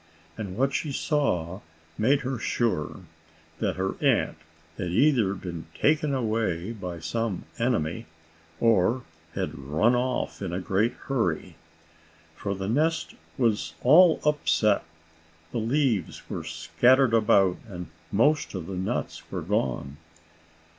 And what she saw made her sure that her aunt had either been taken away by some enemy, or had run off in a great hurry. For the nest was all upset. The leaves were scattered about, and most of the nuts were gone.